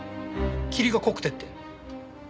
霧が濃くてって。